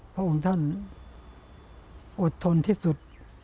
พระองค์ท่านอดทนที่สุด